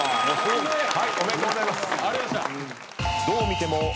どう見ても。